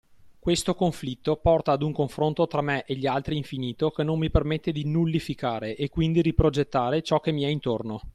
Questo conflitto porta ad un confronto tra me e gli altri infinito che non mi permette di nullificare e quindi riprogettare ciò che mi è intorno.